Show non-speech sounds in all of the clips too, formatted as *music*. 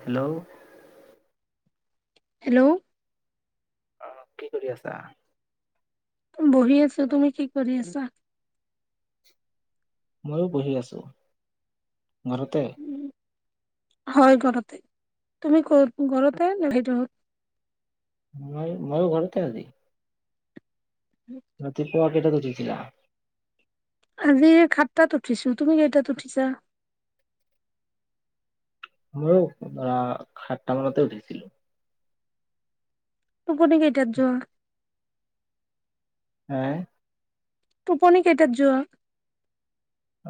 Hello? Hello? অ' কি কৰি আছা? বহি আছো, তুমি কি কৰি আছা? মইয়ো বহি আছো, ঘৰতে। হয়! ঘৰতে তুমি ক'ত? ঘৰতে নে ভিতৰত। মই, মই ঘৰতে আজি। ৰাতিপুৱা কেইটাত উ! উঠিছিলা? আজি সাতটাত উঠিছো। তুমি কেইটাত উঠিছা মইয়ো ধৰা সাতটা মানতে উঠিছিলো টোপনি কেইটাত যোৱা হে টোপনি কেইটাত যোৱা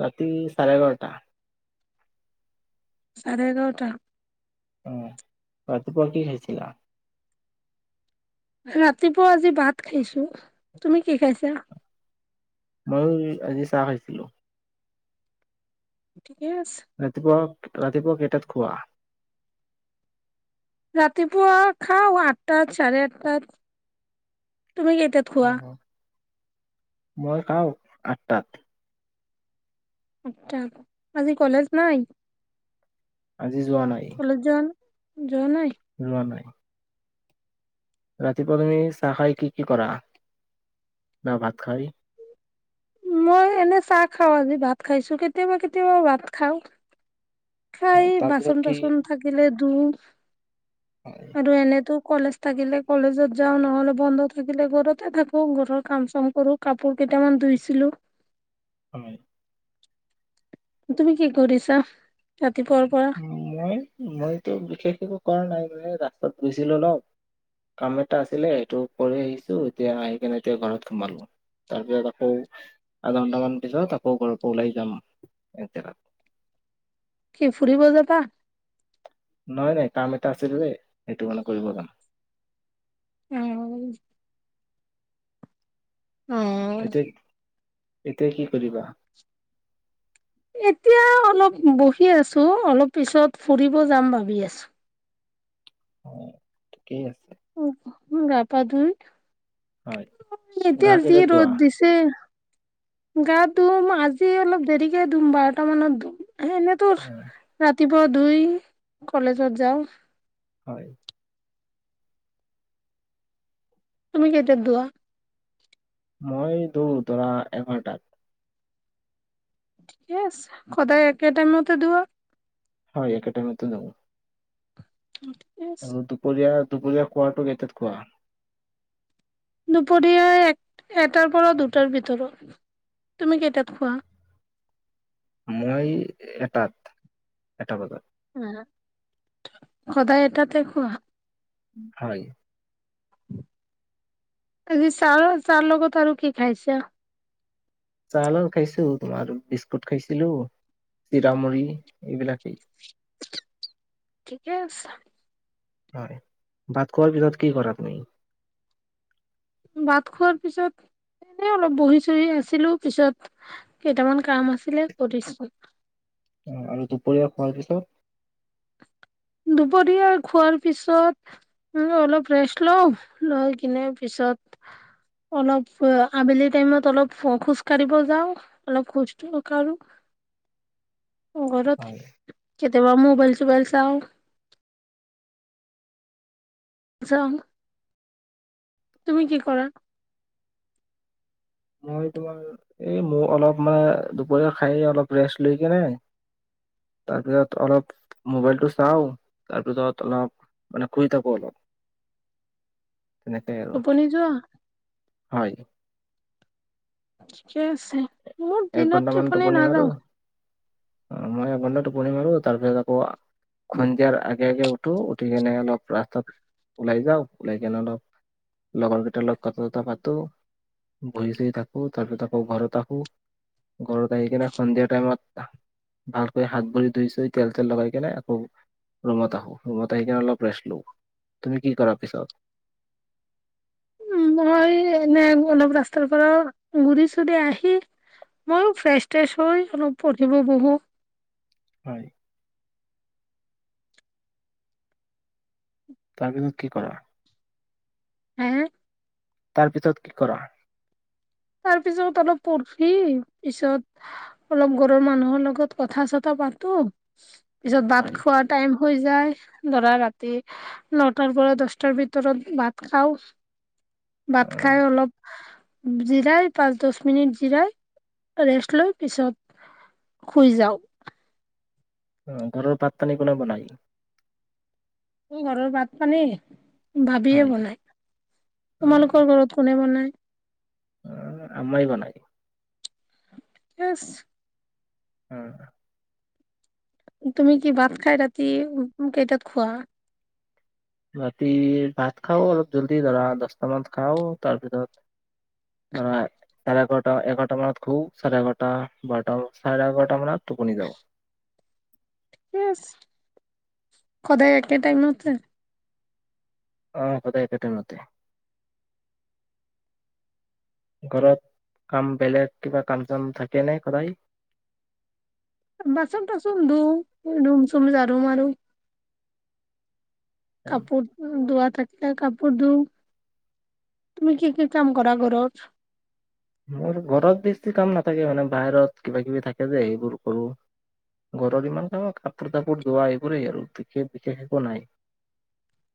ৰাতি চাৰে এঘাৰটা চাৰে এঘাৰটা উ ৰাতিপুৱা কি খাইছিলা ৰাতিপুৱা আজি ভাত খাইছো তুমি কি খাইছা মইয়ো আজি চাহ খাইছিলো ঠিকে আছে ৰাতিপুৱা ৰাতিপুৱা কেইটাত খোৱা ৰাতিপুৱা খাওঁ আঠটা চাৰে আঠটাত তুমি কেইটাত খোৱা মই খাওঁ আঠ তাত আঠটাত আজি কলেজ নাই আজি যোৱা নাই কলেজ যোৱা যোৱা নাই যোৱা নাই ৰাতিপুৱা তুমি চাহ খাই কি কি কৰা বা ভাত খাই মই এনে চাঁহ খাও আজি ভাত খাইছো কেতিয়াবা কেতিয়াবা ভাত খাওঁ খাই তাৰপিছত বাচন কি তাচন থাকিলে তোৰ হয় আৰু এনেতো কলেজ থাকিলে কলেজত যাও নহলে বন্ধ থাকিলে ঘৰতে থাকো ঘৰৰ কাম চাম কৰো কাপোৰ কেইটামান ধুইছিলো হয় তুমি কি কৰিছা তাত উ মই মইতো বিশেষ একো কৰা নাই মানে ৰাস্তাত গৈছিলো ন। কাম এটা আছিলে সেইটো কৰি আহিছো এতিয়া আহি কিনে এতিয়া ঘৰত সোমালো। তাৰপিছত আকৌ আধা ঘন্টামান পিছত আকৌ ঘৰৰ পৰা ওলাই যাম এক জেগাত কি ফুৰিব যাবা নাই নাই কাম এটা আছে যে সেইটো মানে কৰিব যাম অ এতিয়া এতিয়া কি কৰিবা এতিয়া অলপ বহি আছো অলপ পিছত ফুৰিব যাম ভাবি আছো অ ঠিকেই আছে উ গা পা ধুই হয় গা এতিয়া যি কেইটাত ৰোধ ধোৱা দিছে গা ধুম আজি অলপ দেৰিকে ধুম বাৰটা মানত দুম স এনেই তোৰ উম, ৰাতিপুৱা ধুই কলেজত যাওঁ হয় তুমি কেইতিয়া দোৱা? মই দৌৰো, ধৰা এঘাৰটাত। ঠিকে আছে। সদায় একেটাইমতে ধোৱা? হ'য়। একে টাইমতে ন'। য়েছ আৰু দুপৰীয়া দুপৰীয়া খোৱাটো কেইটাত খোৱা? দুপৰীয়া এক এটাৰ পৰা দুটাৰ ভিতৰত। তুমি কেইটাত খোৱা? মই এটাত, এটা বজাত। সদায় এটাতে খোৱা? হ'য়। আজি চাহ, চাহ লগত আৰু কি খাইছা? চাৰ খাইছু তোমা, বিস্কুট খাইছিলু চিৰা মুৰি এইবিলাকেই। ঠিকে আছে। হ'য়। বাদ খোৱাৰ পিছত কি কৰা তুমি? ভাত খোৱাৰ পিছত এনে অলপ বহি চহি আছিলু। পিছত কেইটামান কাম আছিল, কৰিছু। অ', ৰু দুপৰীয়া খোৱাৰ পিছত? দুপৰীয়া খোৱাৰ পিছত অলপ ৰেষ্ট লওঁ। লৈ কিনে পিছত অলপ আ আবেলি টাইমত অলপ খোজ কাঢ়িব যাওঁ। অলপ খোজকাঢ়ো। গৰত, হয় কেত তে মোবাইল চোবাইল চাওঁ। জাঙ। তুমি কি কৰা? মই তোমাৰ এই মোৰ অলপ মানে দুপৰীয়া খাই অলপ ৰেষ্ট লৈ কেনে, তাৰপিছত অলপ মোবাইলটো চাওঁ, তাৰপিছত অলপ, মানে শুই থাকো অলপ। তেনেকে আৰু টোপনি যোৱা? হ'য়। ঠিকে আছে। মোৰ এক দিনত ঘন্টামান টোপনি মাৰো নাযাওঁ। অ', মই এক ঘণ্টা টোপনি মাৰো, তাৰ পিছত আকৌ খনজাৰ আক আগে আগে উঠু। উঠি কেনে অলপ ৰাস্তাত ওলাই যাওঁ। ওলাই কিনে অলপ লগৰ কেইটাৰ লগত কথা পাতো। বহি চহি থাকো। তাৰপিছত আকৌ ঘৰত আহু। ঘৰত আহিকেনে সন্ধিয়া টাইমত ভালকৈ হাত ভৰি ধুই চুই তেল তেল লগাই কিনে আকৌ ৰুমত আহো। ৰুমত আহি কিনে অলপ ৰেষ্ট লওঁ। তুমি কি কৰা পিছত? উম। মই এনে অলপ ৰাস্তাৰ পৰা ঘূৰি চুৰি আহি, মইও ফ্ৰেছ ট্ৰেছ হৈ অলপ পঢ়িব বহোঁ। হ'য়। তাৰ পিছত কি কৰা? হে তাৰ পিছত কি কৰা? তাৰ পিছত অলপ পঢ়ি পিছত অলপ ঘৰৰ মানুহৰ লগত কথা-চথা পাতো। পিছত ভাদ হয় খোৱাৰ টাইম হৈ যায়, ধৰা ৰাতি নটাৰ পৰা দছটাৰ ভিতৰত ভাদ খাওঁ। ভাদ খাই অ অলপ উম। জিৰাই, পাঁচ দহ মিনিট জিৰাই, ৰেষ্ট লৈ, পিছত শুই যাওঁ। অ', ঘৰৰ ভাত পানীোনে বনাই ঘৰৰ ভাত পানী ভাবিয়ে হয় বনাই তোমালোকৰ ঘৰত কোনে বনাই অ আমমাই বনাই আছ অ তুমি কি ভাত খাই ৰাতি উ কেইটাত খোৱা ৰাতি ভাত খাওঁ অলপ জল্দি ধৰা দহটা মানত খাওঁ তাৰপিছত ধৰা চাৰে এঘাৰটা এঘাৰটা মানত খু চাৰে এঘাৰটা বাৰটাান চাৰে এঘাৰটা মানত টোপনি যাওঁ ঠিক সদায় একে তাইমটে আহ সদায় একে টাইমতে ঘৰত কাম বেলেগ কিবা কাম চাম থাকে নে সদায় বাচন টাচন ধু, ৰুম চুম জৰু মাৰুো কাপোৰ দুুৱা তাকা কাপোৰ ধু, তুমি কি কি কাম কৰা ঘৰত? মোৰ ঘৰত বেছি কাম নাথাকে মানে বাহিৰত কিবা কিবি থাকে যে সেইবোৰ কৰোঁ ঘৰৰ ইমান কাম কাপোৰ তাপোৰ ধোৱা এইবোৰেই আৰু বিশেষ বিশেষ একো নাই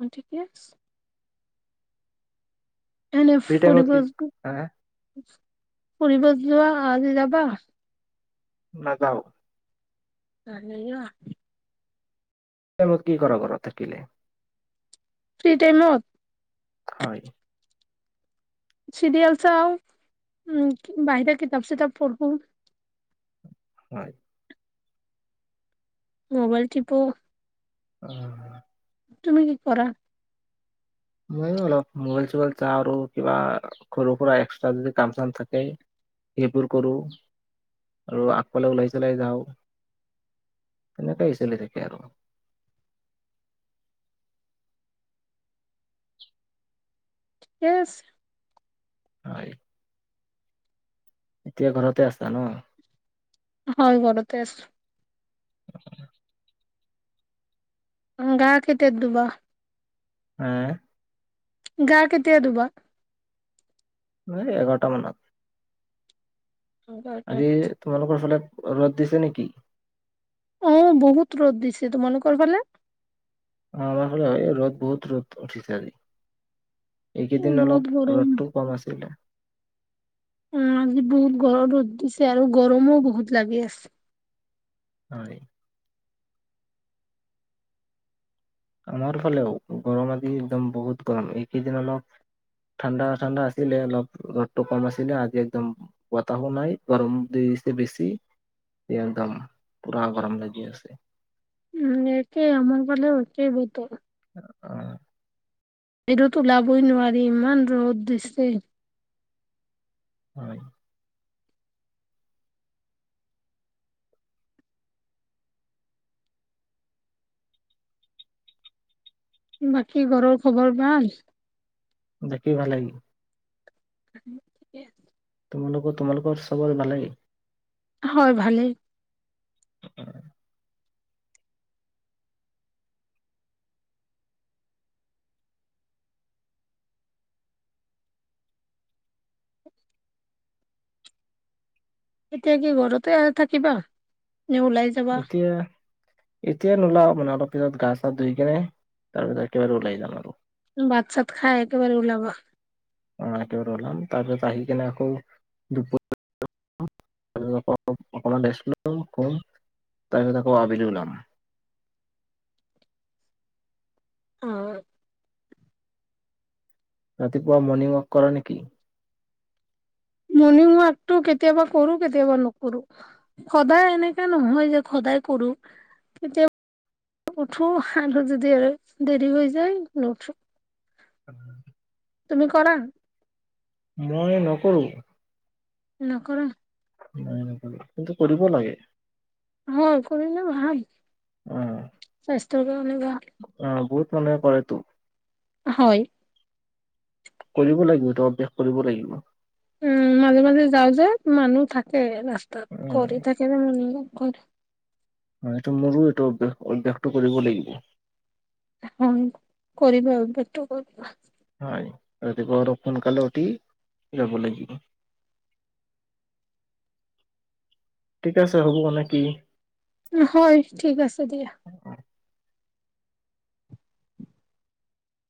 অ ঠিকে আছে এনে ফ্ৰী টাইমত ফুৰিব কি য হা ফুৰিব যোৱা আ আজি যাবা? নাযাও চালোৱা তাৰ মত কি কৰা ঘৰত থাকিলে? ফ্ৰী টাইমত হয় চৰিয়েল চাও উ বাহিৰে কিতাপ চিতাপ পঢ়ো হয় মোবাইল প উ তুমি কি কৰা ময়ো অলপ মোবাইল চবাইল চাওঁ আৰু কিবা সৰু সুৰা এক্সট্ৰা যদি কাম চাম থাকে সেইবোৰ কৰোঁ আৰু আগফালে ওলাই চলাই যাওঁ তেনেকাই চলি থাকে আৰু এজ হয় এতিয়া ঘৰতে আছা ন হয় ঘৰতে আছ অ গা কেতিয়া দুবা হম গা কেতিয়া ধোবা এই এঘাৰটা মানত আজি, তোমালোকৰ ফালে ৰ'দ দিছে নেকি। অ', বহুত ৰ'দ দিছে তোমালোকৰ ফালে। অ, আমাৰফালেও এ ৰ'দ বহুত ৰ'দ উঠিছে আজি। এইকেইদিন বহুত অলপ গৰম ৰ'দটো কম আছিলে। অ', আজি বহুত গৰত-ৰ'দ দিছে আৰু গৰমো বহুত লাগি আছে। হয়। আমাৰ ফালেও, গৰম আজি একদম বহুত গৰম এইকেইদিন অলপ ঠাণ্ডা-ঠাণ্ডা আছিলে অলপ ৰদটো কম আছিলে আজি একদম বতাহো নাই গৰম দি-দিছে বেছি, একদম পুৰা গৰম লাগি আছে। উম, একে আমাৰ ফালেও একে বতৰ। অ' বাহিৰত ওলাবই নোৱাৰি ইমান ৰ'দ দিছে। হয়। বাকী, ঘৰৰ খবৰ ভাল। দেখি ভাল লাগিল। *unintelligible* তোমালোকৰ-তোমালোকৰ চবৰ ভালেই। হয়, ভালেই। এতিয়া কি ঘৰতে আ-থাকিবা। নে ওলাই যাবা। এতিয়া এতিয়া নোলাও মানে, অলপ পিছত গা-চা ধুই কেনে তাৰপিছত একেবাৰে ওলাই যাম আৰু। ভাত-চাত খাই একেবাৰে ওলাবা। অ', একেবাৰে ওলাম তাৰপিছত আহি কেনে আকৌ *unintelligible* তাৰপিছত আকৌ আবিলি ওলাম। অ'। ৰাতিপুৱা মৰ্ণিং ৱাক কৰা নেকি?। মৰ্ণিং ৱাকটো কেতিয়াবা কৰো কেতিয়াবা নকৰো, সদায় এনেকাে নহয় যে সদায় কৰো কেতিয়াবা *inaudible* উঠো আৰু যদি দেৰি হৈ যায় নুঠো। *unintelligible* তুমি কৰা। মই নকৰো। নকৰা। নাই নকৰো, কিন্তু কৰিব লাগে। হ', কৰিলে ভাল, অ স্বাস্থ্যৰ কাৰণে ভাল। মানে কৰে তো। হয়। কৰিব লাগিব তেওঁ বেক কৰিব লাগিব। উম, মাজে-মাজে যাওঁ যে মানুহ থাকে লা তাত কৰি উম থাকে যে *unintelligible* কত অ', এইটো মোৰো এইটো অভ্যাস-অভ্যাসতো কৰিব লাগিব। হয়, কৰিবা *unintelligible* হয়, ৰাতিপুৱা অলপ সোনকালে উঠি যাব লাগিব। ঠিক আছে হ'ব নে কি। হয়, ঠিক আছে দিয়া।